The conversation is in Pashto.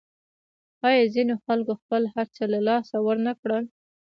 آیا ځینو خلکو خپل هرڅه له لاسه ورنکړل؟